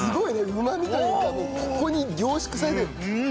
うまみがなんかもうここに凝縮されてる。